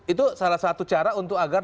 itu salah satu cara untuk agar